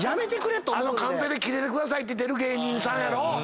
カンペで「キレてください」って出る芸人さんやろ。